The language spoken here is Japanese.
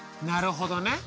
なるほどね。